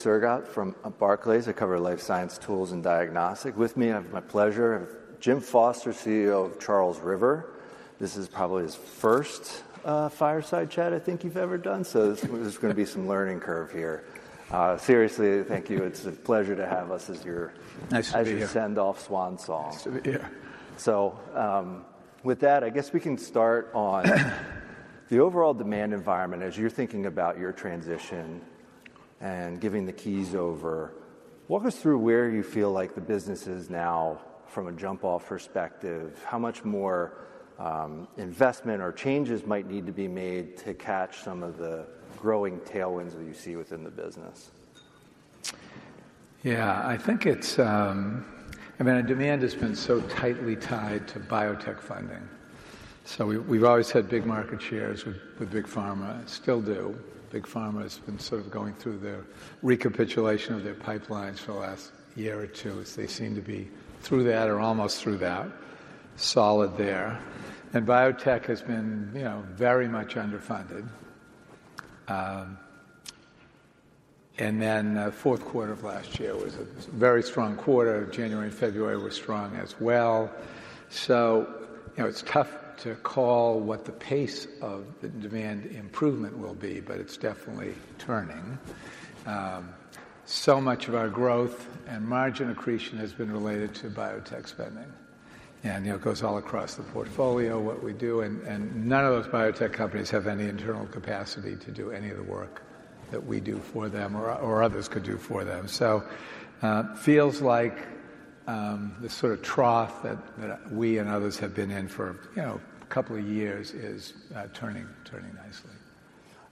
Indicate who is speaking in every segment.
Speaker 1: Sergott from Barclays. I cover life science tools and diagnostic. With me, it's my pleasure, Jim Foster, CEO of Charles River. This is probably his first fireside chat I think you've ever done, so this is gonna be some learning curve here. Seriously, thank you. It's a pleasure to have us as your-
Speaker 2: Nice to be here.
Speaker 1: as your send-off swan song.
Speaker 2: Nice to be here.
Speaker 1: With that, I guess we can start on the overall demand environment as you're thinking about your transition and giving the keys over. Walk us through where you feel like the business is now from a jump-off perspective. How much more, investment or changes might need to be made to catch some of the growing tailwinds that you see within the business?
Speaker 2: Yeah. I think it's, I mean, our demand has been so tightly tied to biotech funding. We, we've always had big market shares with big pharma. Still do. Big pharma has been sort of going through their recapitulation of their pipelines for the last year or two, as they seem to be through that or almost through that. Solid there. Biotech has been, you know, very much underfunded. Fourth quarter of last year was a very strong quarter. January and February were strong as well. You know, it's tough to call what the pace of the demand improvement will be, but it's definitely turning. So much of our growth and margin accretion has been related to biotech spending. It goes all across the portfolio, what we do, and none of those biotech companies have any internal capacity to do any of the work that we do for them or others could do for them. You know, it feels like the sort of trough that we and others have been in for, you know, a couple of years is turning nicely.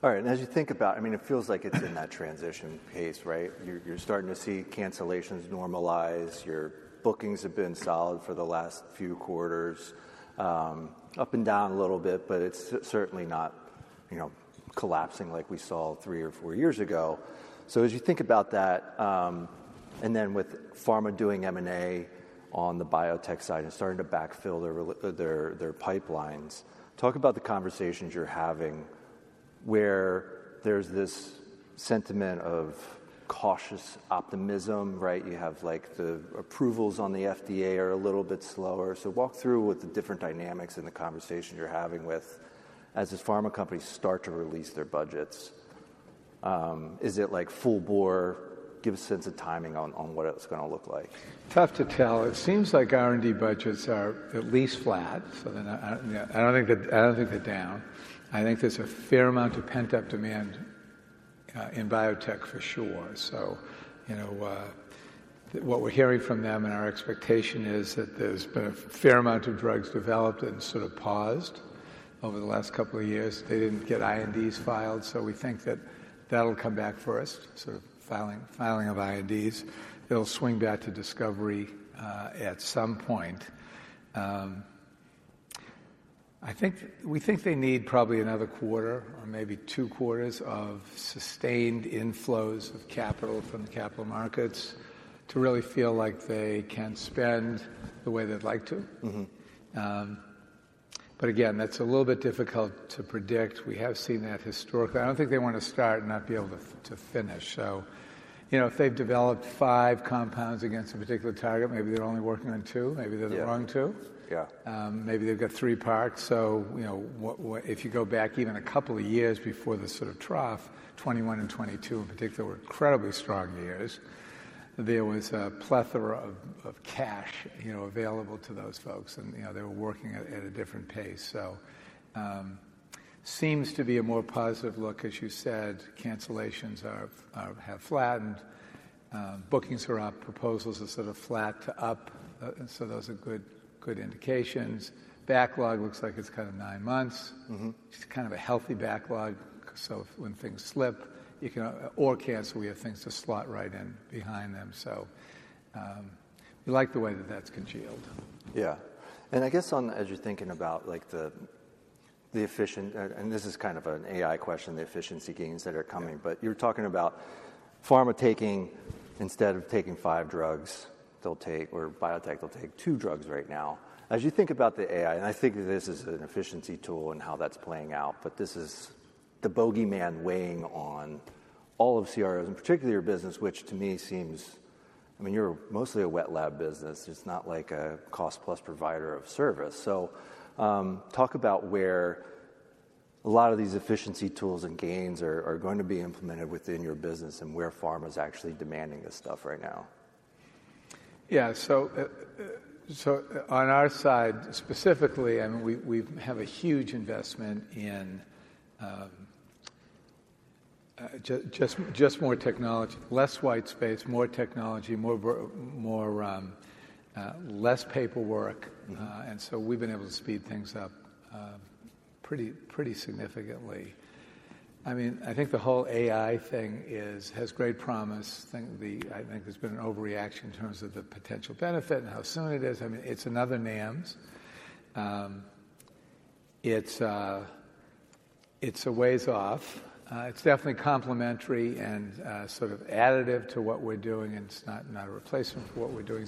Speaker 1: All right. As you think about, I mean, it feels like it's in that transition phase, right? You're starting to see cancellations normalize. Your bookings have been solid for the last few quarters, up and down a little bit, but it's certainly not, you know, collapsing like we saw three or four years ago. As you think about that, and then with pharma doing M&A on the biotech side and starting to backfill their pipelines, talk about the conversations you're having where there's this sentiment of cautious optimism, right? You have, like, the approvals on the FDA are a little bit slower. Walk through what the different dynamics in the conversation you're having with, as these pharma companies start to release their budgets. Is it like full bore? Give a sense of timing on what it's gonna look like.
Speaker 2: Tough to tell. It seems like R&D budgets are at least flat, so they're not. I don't think they're down. I think there's a fair amount of pent-up demand in biotech for sure. What we're hearing from them and our expectation is that there's been a fair amount of drugs developed and sort of paused over the last couple of years. They didn't get INDs filed, so we think that that'll come back for us, sort of filing of INDs. It'll swing back to discovery at some point. We think they need probably another quarter or maybe two quarters of sustained inflows of capital from the capital markets to really feel like they can spend the way they'd like to.
Speaker 1: Mm-hmm.
Speaker 2: Again, that's a little bit difficult to predict. We have seen that historically. I don't think they wanna start and not be able to finish. You know, if they've developed fivecompounds against a particular target, maybe they're only working on two. Maybe they're the wrong two.
Speaker 1: Yeah.
Speaker 2: Maybe they've got three parts. You know, what if you go back even a couple of years before the sort of trough, 2021 and 2022 in particular were incredibly strong years. There was a plethora of cash, you know, available to those folks and, you know, they were working at a different pace. Seems to be a more positive look. As you said, cancellations have flattened. Bookings are up. Proposals are sort of flat to up, and those are good indications. Backlog looks like it's kind of nine months.
Speaker 1: Mm-hmm.
Speaker 2: Just kind of a healthy backlog, so when things slip, you can or cancel, we have things to slot right in behind them so we like the way that that's congealed.
Speaker 1: Yeah. I guess on as you're thinking about, like, the efficient and this is kind of an AI question, the efficiency gains that are coming, but you're talking about pharma taking instead of taking five drugs, they'll take or biotech, they'll take two drugs right now. As you think about the AI, and I think this as an efficiency tool and how that's playing out, but this is the bogeyman weighing on all of CROs, and particularly your business, which to me seems. I mean, you're mostly a wet lab business. It's not like a cost plus provider of service. Talk about where a lot of these efficiency tools and gains are going to be implemented within your business and where pharma's actually demanding this stuff right now.
Speaker 2: Yeah. On our side specifically, I mean, we have a huge investment in just more technology. Less white space, more technology, less paperwork.
Speaker 1: Mm-hmm.
Speaker 2: We've been able to speed things up pretty significantly. I mean, I think the whole AI thing has great promise. I think there's been an overreaction in terms of the potential benefit and how soon it is. I mean, it's another NAMS. It's a ways off. It's definitely complementary and sort of additive to what we're doing, and it's not a replacement for what we're doing.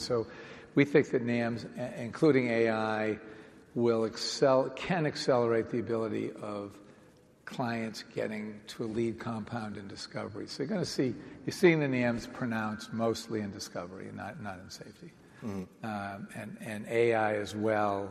Speaker 2: We think that NAMS, including AI, can accelerate the ability of clients getting to a lead compound in discovery. You're seeing the NAMS pronounced mostly in discovery and not in safety.
Speaker 1: Mm-hmm.
Speaker 2: AI as well.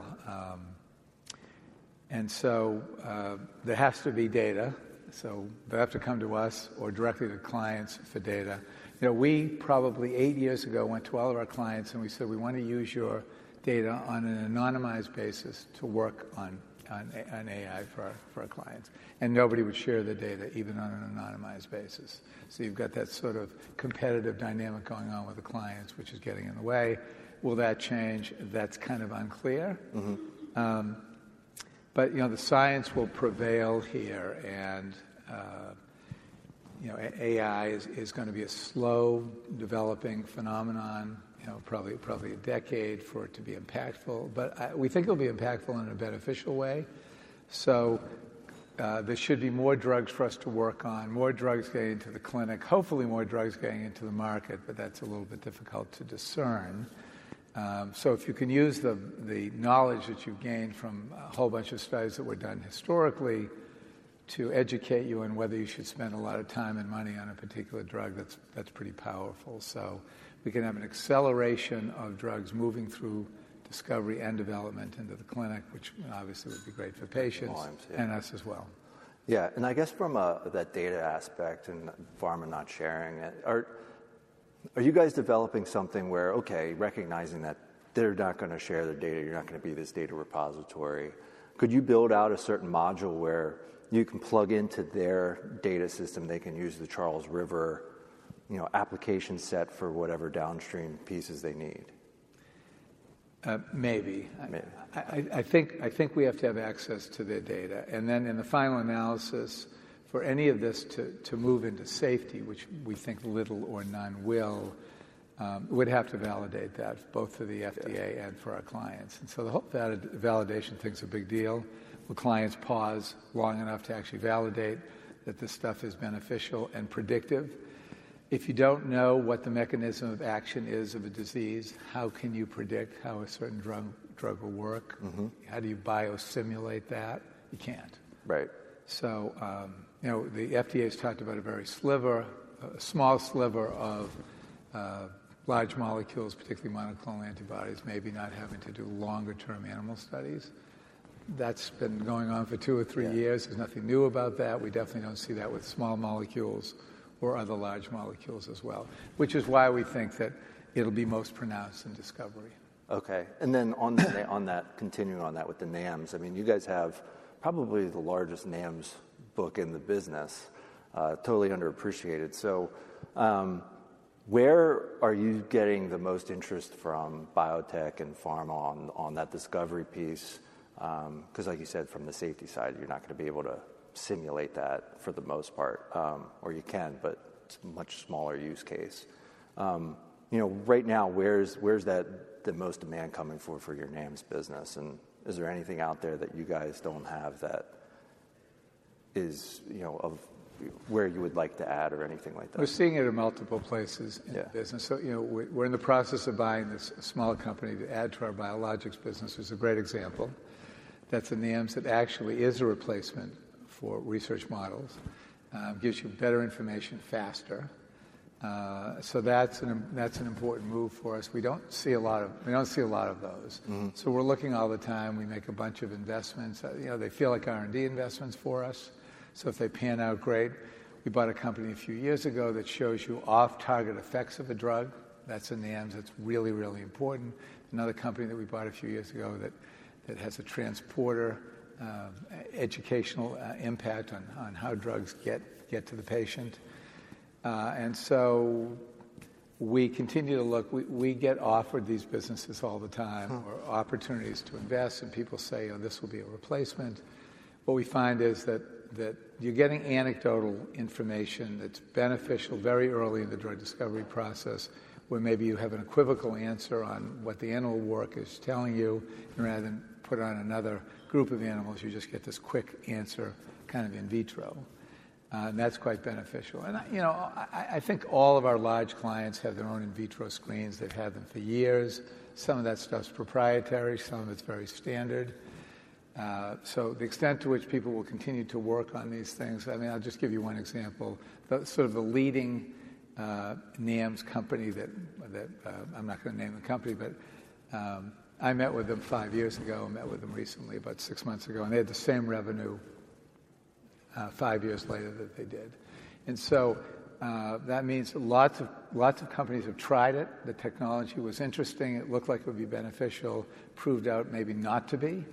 Speaker 2: There has to be data, so they have to come to us or directly to clients for data. You know, we probably eight years ago went to all of our clients and we said, "We wanna use your data on an anonymized basis to work on AI for our clients." Nobody would share the data, even on an anonymized basis. You've got that sort of competitive dynamic going on with the clients, which is getting in the way. Will that change? That's kind of unclear.
Speaker 1: Mm-hmm.
Speaker 2: You know, the science will prevail here and, you know, AI is gonna be a slow developing phenomenon, you know, probably a decade for it to be impactful. We think it'll be impactful in a beneficial way. There should be more drugs for us to work on, more drugs getting into the clinic, hopefully more drugs getting into the market, but that's a little bit difficult to discern. If you can use the knowledge that you've gained from a whole bunch of studies that were done historically to educate you on whether you should spend a lot of time and money on a particular drug, that's pretty powerful. We can have an acceleration of drugs moving through discovery and development into the clinic, which obviously would be great for patients and us as well
Speaker 1: For clients, yeah. Yeah. I guess from that data aspect and pharma not sharing it, are you guys developing something where, okay, recognizing that they're not gonna share the data, you're not gonna be this data repository, could you build out a certain module where you can plug into their data system, they can use the Charles River, you know, application set for whatever downstream pieces they need?
Speaker 2: Maybe. I mean, I think we have to have access to their data. Then in the final analysis for any of this to move into safety, which we think little or none will, we'd have to validate that both for the FDA.
Speaker 1: FDA
Speaker 2: for our clients. The whole validation thing's a big deal. Will clients pause long enough to actually validate that this stuff is beneficial and predictive? If you don't know what the mechanism of action is of a disease, how can you predict how a certain drug will work?
Speaker 1: Mm-hmm.
Speaker 2: How do you biosimulate that? You can't.
Speaker 1: Right.
Speaker 2: You know, the FDA's talked about a small sliver of large molecules, particularly monoclonal antibodies, maybe not having to do longer term animal studies. That's been going on for two or three years.
Speaker 1: Yeah.
Speaker 2: There's nothing new about that. We definitely don't see that with small molecules or other large molecules as well, which is why we think that it'll be most pronounced in discovery.
Speaker 1: Okay. On that, continuing on that with the NAMs, I mean, you guys have probably the largest NAMs book in the business, totally underappreciated. Where are you getting the most interest from biotech and pharma on that discovery piece? 'Cause like you said, from the safety side, you're not gonna be able to simulate that for the most part. Or you can, but it's a much smaller use case. You know, right now, where's that, the most demand coming for your NAMs business? Is there anything out there that you guys don't have that is, you know, of where you would like to add or anything like that?
Speaker 2: We're seeing it in multiple places in the business.
Speaker 1: Yeah.
Speaker 2: You know, we're in the process of buying this small company to add to our biologics business, is a great example. That's a NAMS that actually is a replacement for research models. Gives you better information faster. That's an important move for us. We don't see a lot of those.
Speaker 1: Mm-hmm.
Speaker 2: We're looking all the time. We make a bunch of investments. You know, they feel like R&D investments for us, so if they pan out, great. We bought a company a few years ago that shows you off-target effects of a drug. That's a NAMS that's really, really important. Another company that we bought a few years ago that has a transporter educational impact on how drugs get to the patient. We continue to look. We get offered these businesses all the time.
Speaker 1: Hmm
Speaker 2: or opportunities to invest, and people say, "Oh, this will be a replacement." What we find is that you're getting anecdotal information that's beneficial very early in the drug discovery process, where maybe you have an equivocal answer on what the animal work is telling you, rather than put it on another group of animals, you just get this quick answer kind of in vitro. That's quite beneficial. You know, I think all of our large clients have their own in vitro screens. They've had them for years. Some of that stuff's proprietary, some of it's very standard. The extent to which people will continue to work on these things, I mean, I'll just give you one example. Sort of the leading NAMS company that I'm not gonna name the company, but I met with them five years ago and met with them recently about six months ago, and they had the same revenue five years later that they did. That means lots of companies have tried it. The technology was interesting. It looked like it would be beneficial. Proved out maybe not to be.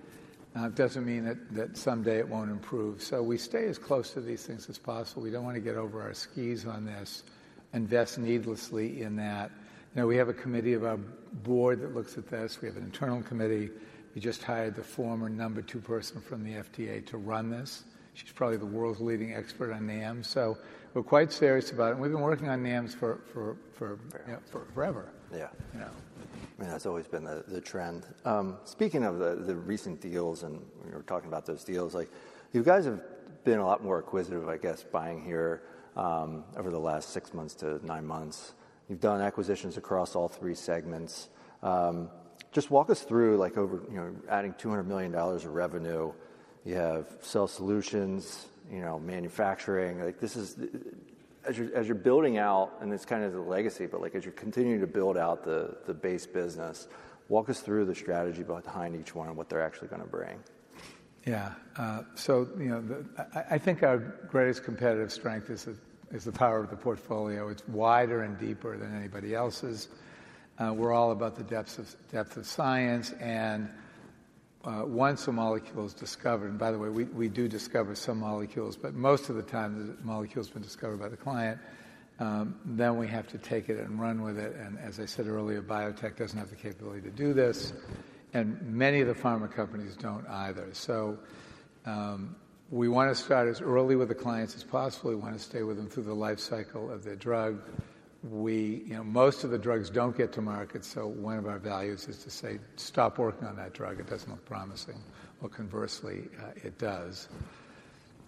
Speaker 2: It doesn't mean that someday it won't improve. We stay as close to these things as possible. We don't want to get over our skis on this, invest needlessly in that. You know, we have a committee of our board that looks at this. We have an internal committee. We just hired the former number two person from the FDA to run this. She's probably the world's leading expert on NAMS. We're quite serious about it, and we've been working on NAMS's for
Speaker 1: Forever
Speaker 2: You know, for forever.
Speaker 1: Yeah.
Speaker 2: You know.
Speaker 1: I mean, that's always been the trend. Speaking of the recent deals, we're talking about those deals. Like, you guys have been a lot more acquisitive, I guess, buying here over the last six months to nine months. You've done acquisitions across all three segments. Just walk us through like over, you know, adding $200 million of revenue. You have Cell Solutions, you know, manufacturing, like this is. As you're building out, and it's kind of the legacy, but like, as you're continuing to build out the base business, walk us through the strategy behind each one and what they're actually gonna bring.
Speaker 2: Yeah. I think our greatest competitive strength is the power of the portfolio. It's wider and deeper than anybody else's. We're all about the depth of science, and once a molecule is discovered, and by the way, we do discover some molecules, but most of the time the molecule's been discovered by the client, then we have to take it and run with it, and as I said earlier, biotech doesn't have the capability to do this, and many of the pharma companies don't either. We wanna start as early with the clients as possible. We wanna stay with them through the life cycle of their drug. You know, most of the drugs don't get to market, so one of our values is to say, "Stop working on that drug. It doesn't look promising," or conversely, it does.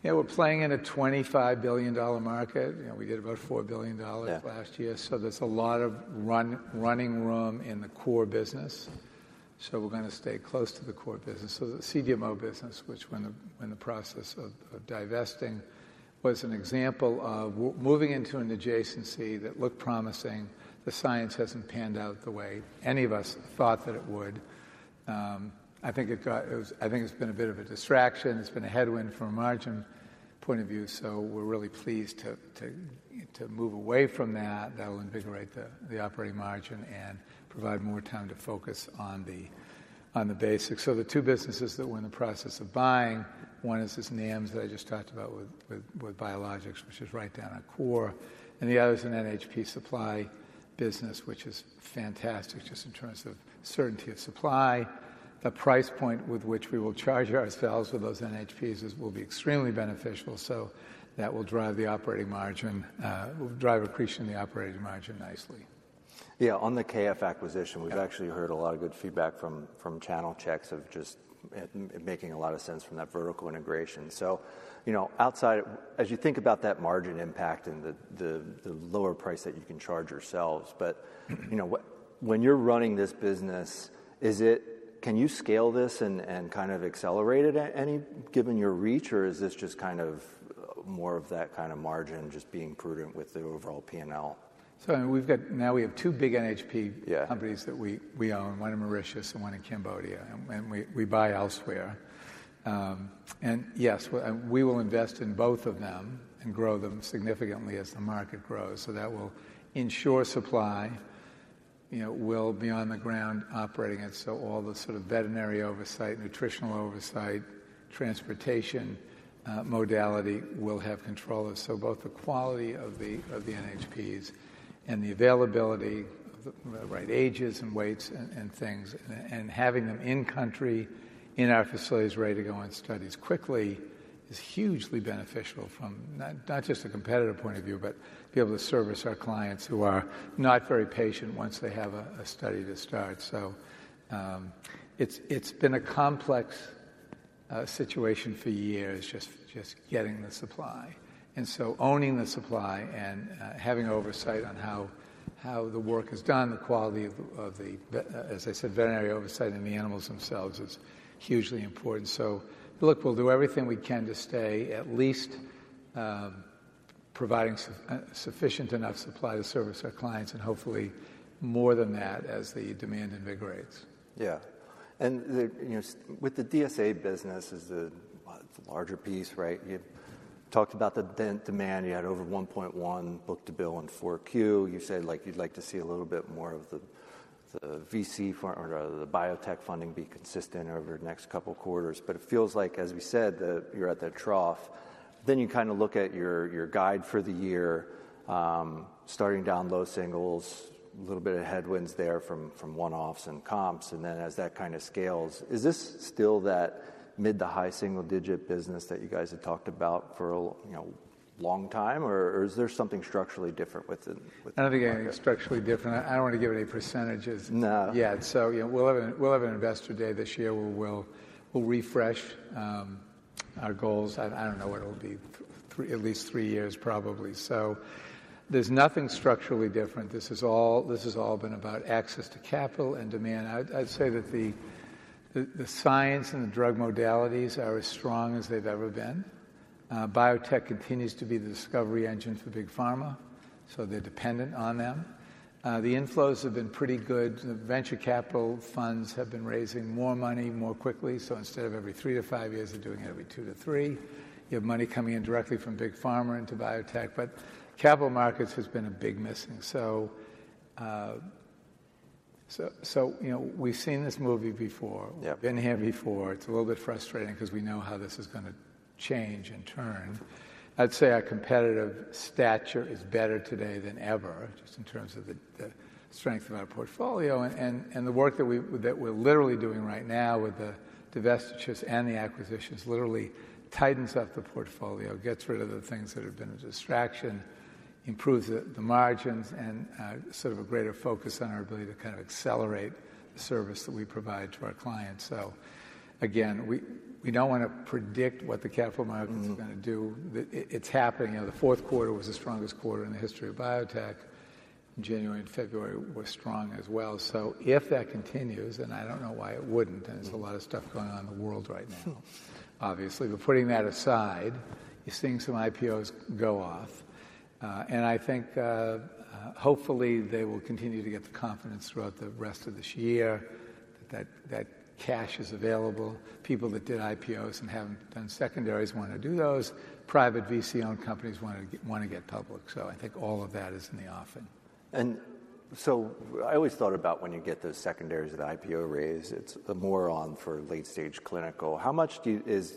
Speaker 2: You know, we're playing in a $25 billion market. You know, we did about $4 billion-
Speaker 1: Yeah
Speaker 2: Last year, there's a lot of running room in the core business. We're gonna stay close to the core business. The CDMO business, which we're in the process of divesting, was an example of moving into an adjacency that looked promising. The science hasn't panned out the way any of us thought that it would. I think it's been a bit of a distraction. It's been a headwind from a margin point of view, so we're really pleased to move away from that. That'll invigorate the operating margin and provide more time to focus on the basics. The two businesses that we're in the process of buying, one is this NAMS that I just talked about with biologics, which is right down our core, and the other is an NHP supply business which is fantastic just in terms of certainty of supply. The price point with which we will charge ourselves with those NHPs will be extremely beneficial. That will drive the operating margin, increasing the operating margin nicely.
Speaker 1: Yeah. On the Noveprim acquisition.
Speaker 2: Yeah
Speaker 1: We've actually heard a lot of good feedback from channel checks of just it making a lot of sense from that vertical integration. You know, as you think about that margin impact and the lower price that you can charge yourselves, but you know, when you're running this business, can you scale this and kind of accelerate it any, given your reach, or is this just kind of more of that kind of margin just being prudent with the overall P&L?
Speaker 2: I mean, now we have two big NHP
Speaker 1: Yeah
Speaker 2: companies that we own, one in Mauritius and one in Cambodia, and we buy elsewhere. And yes, and we will invest in both of them and grow them significantly as the market grows. That will ensure supply, you know. We'll be on the ground operating it, so all the sort of veterinary oversight, nutritional oversight, transportation, modality we'll have control of. Both the quality of the NHPs and the availability, the right ages and weights and things and having them in country in our facilities ready to go on studies quickly is hugely beneficial from not just a competitive point of view, but to be able to service our clients who are not very patient once they have a study to start. It's been a complex situation for years just getting the supply. Owning the supply and having oversight on how the work is done, the quality of veterinary oversight, as I said, and the animals themselves is hugely important. Look, we'll do everything we can to stay at least providing sufficient enough supply to service our clients and hopefully more than that as the demand invigorates.
Speaker 1: Yeah. You know, with the DSA business is the larger piece, right? You talked about the demand. You had over 1.1 book-to-bill in 4Q. You said, like, you'd like to see a little bit more of the VC funding or the biotech funding be consistent over the next couple quarters. It feels like, as we said, that you're at that trough. You kinda look at your guide for the year, starting down low singles, a little bit of headwinds there from one-offs and comps, and then as that kinda scales. Is this still that mid- to high-single-digit business that you guys had talked about for a long time, or is there something structurally different with the
Speaker 2: I don't think anything structurally different. I don't wanna give it any percentages.
Speaker 1: No
Speaker 2: Yet. You know, we'll have an investor day this year where we'll refresh our goals. I don't know what it'll be. At least three years probably. There's nothing structurally different. This has all been about access to capital and demand. I'd say that the science and the drug modalities are as strong as they've ever been. Biotech continues to be the discovery engine for big pharma, so they're dependent on them. The inflows have been pretty good. The venture capital funds have been raising more money more quickly, so instead of every three to five years, they're doing it every two to three. You have money coming in directly from big pharma into biotech. Capital markets has been a big missing. You know, we've seen this movie before.
Speaker 1: Yeah.
Speaker 2: Been here before. It's a little bit frustrating because we know how this is gonna change and turn. I'd say our competitive stature is better today than ever, just in terms of the strength of our portfolio and the work that we're literally doing right now with the divestitures and the acquisitions literally tightens up the portfolio, gets rid of the things that have been a distraction, improves the margins and sort of a greater focus on our ability to kind of accelerate the service that we provide to our clients. Again, we don't wanna predict what the capital markets are gonna do. It's happening. You know, the fourth quarter was the strongest quarter in the history of biotech. January and February were strong as well. If that continues, and I don't know why it wouldn't, and there's a lot of stuff going on in the world right now.
Speaker 1: Sure.
Speaker 2: Obviously. Putting that aside, you're seeing some IPOs go off. I think hopefully they will continue to get the confidence throughout the rest of this year that cash is available. People that did IPOs and haven't done secondaries wanna do those. Private VC-owned companies wanna get public. I think all of that is in the offing.
Speaker 1: I always thought about when you get those secondaries that IPO raise, it's a boon for late-stage clinical. How much,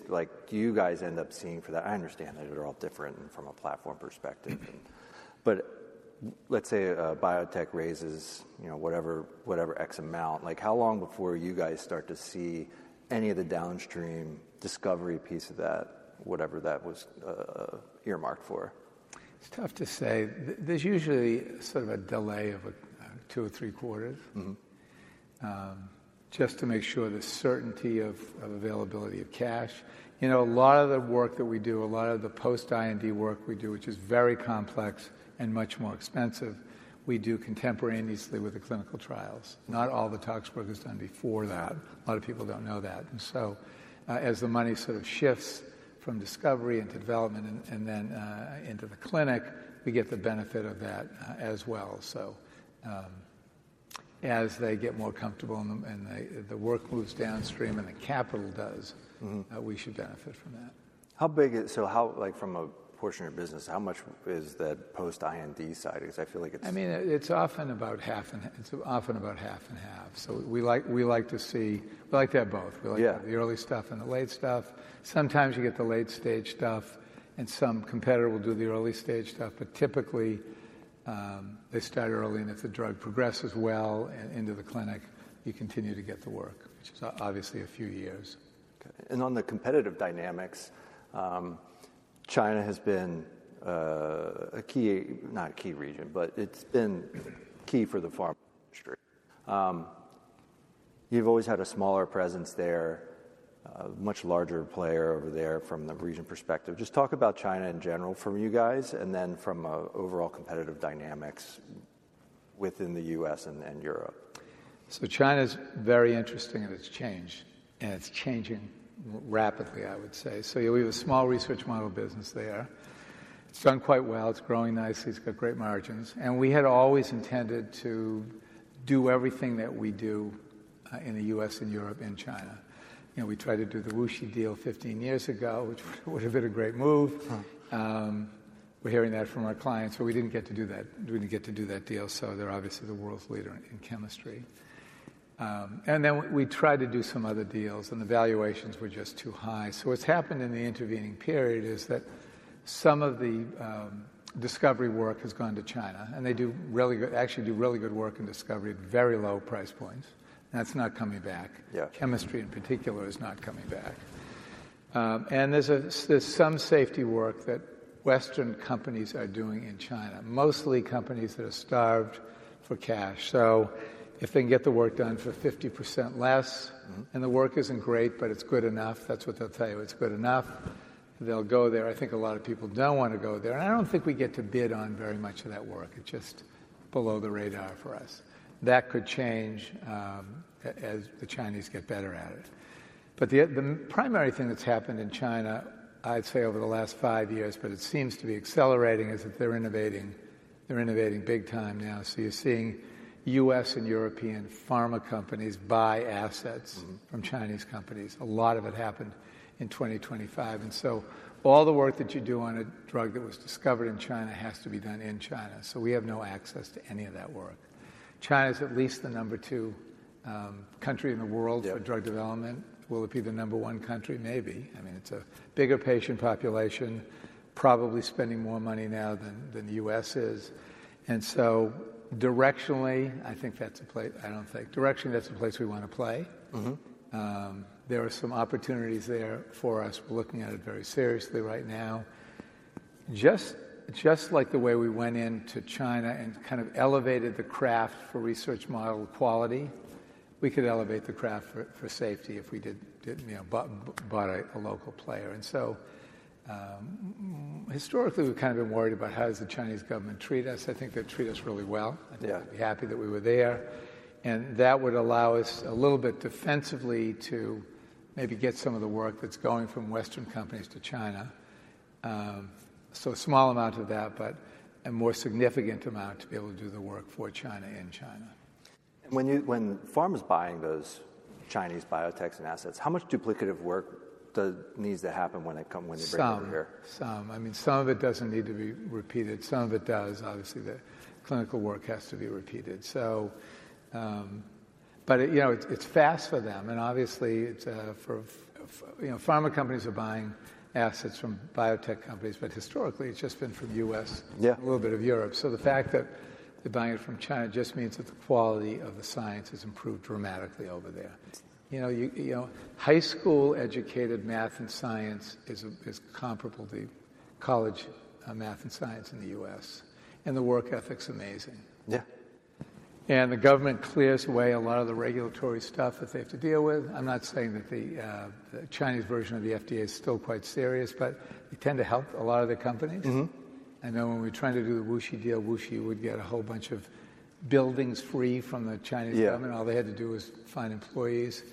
Speaker 1: like, do you guys end up seeing for that? I understand that they're all different from a platform perspective.
Speaker 2: Mm-hmm.
Speaker 1: Let's say a biotech raises, you know, whatever X amount. Like, how long before you guys start to see any of the downstream discovery piece of that, whatever that was earmarked for?
Speaker 2: It's tough to say. There's usually sort of a delay of two or three quarters.
Speaker 1: Mm-hmm.
Speaker 2: Just to make sure the certainty of availability of cash. You know, a lot of the work that we do, a lot of the post-IND work we do, which is very complex and much more expensive, we do contemporaneously with the clinical trials. Not all the tox work is done before that. A lot of people don't know that. As the money sort of shifts from discovery into development and then into the clinic, we get the benefit of that as well. As they get more comfortable and the work moves downstream and the capital does.
Speaker 1: Mm-hmm.
Speaker 2: We should benefit from that.
Speaker 1: How big is it like, from a portion of your business, how much is that post-IND side? 'Cause I feel like it's I mean,
Speaker 2: It's often about half and half. We like to have both.
Speaker 1: Yeah.
Speaker 2: We like the early stuff and the late stuff. Sometimes you get the late-stage stuff and some competitor will do the early-stage stuff. Typically, they start early, and if the drug progresses well and into the clinic, you continue to get the work, which is obviously a few years.
Speaker 1: On the competitive dynamics, China has not been a key region, but it's been key for the pharma industry. You've always had a smaller presence there, a much larger player over there from the region perspective. Just talk about China in general from you guys, and then from an overall competitive dynamics within the U.S. and Europe.
Speaker 2: China's very interesting and it's changed, and it's changing rapidly, I would say. We have a small research model business there. It's done quite well. It's growing nicely. It's got great margins. We had always intended to do everything that we do in the U.S. and Europe and China. You know, we tried to do the WuXi deal 15 years ago, which would have been a great move.
Speaker 1: Right.
Speaker 2: We're hearing that from our clients, but we didn't get to do that. We didn't get to do that deal, so they're obviously the world's leader in chemistry. We tried to do some other deals, and the valuations were just too high. What's happened in the intervening period is that some of the discovery work has gone to China, and they actually do really good work in discovery at very low price points. That's not coming back.
Speaker 1: Yeah.
Speaker 2: Chemistry in particular is not coming back. There's some safety work that Western companies are doing in China, mostly companies that are starved for cash. If they can get the work done for 50% less-
Speaker 1: Mm-hmm.
Speaker 2: The work isn't great, but it's good enough, that's what they'll tell you. It's good enough, they'll go there. I think a lot of people don't wanna go there. And I don't think we get to bid on very much of that work. It's just below the radar for us. That could change, as the Chinese get better at it. But the primary thing that's happened in China, I'd say over the last five years, but it seems to be accelerating, is that they're innovating big time now. So you're seeing U.S. and European pharma companies buy assets.
Speaker 1: Mm-hmm.
Speaker 2: From Chinese companies. A lot of it happened in 2025. All the work that you do on a drug that was discovered in China has to be done in China, so we have no access to any of that work. China is at least the number two country in the world.
Speaker 1: Yeah.
Speaker 2: for drug development. Will it be the number one country? Maybe. I mean, it's a bigger patient population, probably spending more money now than the U.S. is. Directionally, that's a place we wanna play.
Speaker 1: Mm-hmm.
Speaker 2: There are some opportunities there for us. We're looking at it very seriously right now. Just like the way we went into China and kind of elevated the craft for research model quality, we could elevate the craft for safety if we did, you know, bought a local player. Historically, we've kind of been worried about how does the Chinese government treat us. I think they treat us really well.
Speaker 1: Yeah.
Speaker 2: I think they'd be happy that we were there. That would allow us a little bit defensively to maybe get some of the work that's going from Western companies to China. A small amount of that, but a more significant amount to be able to do the work for China in China.
Speaker 1: When pharma's buying those Chinese biotechs and assets, how much duplicative work needs to happen when they come, when they bring them over here?
Speaker 2: I mean, some of it doesn't need to be repeated, some of it does. Obviously, the clinical work has to be repeated. You know, it's fast for them, and obviously it's, you know, pharma companies are buying assets from biotech companies, but historically it's just been from U.S.-
Speaker 1: Yeah.
Speaker 2: A little bit of Europe. The fact that they're buying it from China just means that the quality of the science has improved dramatically over there. You know, high school educated math and science is comparable to college math and science in the U.S., and the work ethic's amazing.
Speaker 1: Yeah.
Speaker 2: The government clears away a lot of the regulatory stuff that they have to deal with. I'm not saying that the Chinese version of the FDA is still quite serious, but they tend to help a lot of the companies.
Speaker 1: Mm-hmm.
Speaker 2: I know when we were trying to do the WuXi deal, WuXi would get a whole bunch of buildings free from the Chinese government.
Speaker 1: Yeah.
Speaker 2: All they had to do was find employees.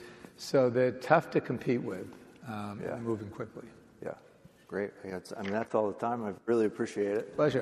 Speaker 2: They're tough to compete with.
Speaker 1: Yeah.
Speaker 2: Moving quickly.
Speaker 1: Yeah. Great. I mean, that's all the time. I really appreciate it.
Speaker 2: Pleasure.